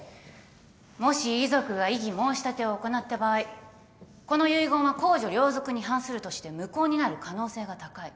もし遺族が異議申し立てを行った場合この遺言は公序良俗に反するとして無効になる可能性が高い。